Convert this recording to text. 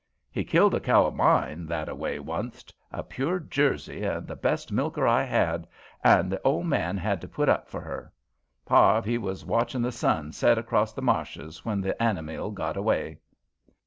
He killed a cow of mine that a way onct a pure Jersey and the best milker I had, an' the ole man had to put up for her. Harve, he was watchin' the sun set acrost the marshes when the anamile got away."